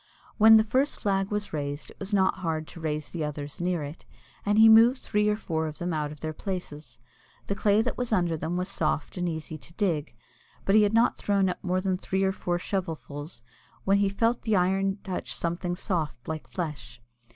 When the first flag was raised it was not hard to raise the others near it, and he moved three or four of them out of their places. The clay that was under them was soft and easy to dig, but he had not thrown up more than three or four shovelfuls, when he felt the iron touch something soft like flesh.